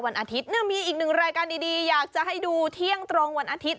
อาทิตย์มีอีกหนึ่งรายการดีอยากจะให้ดูเที่ยงตรงวันอาทิตย